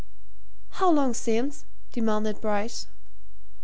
"How long since?" demanded Bryce.